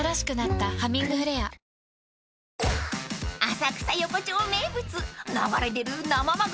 ［浅草横町名物］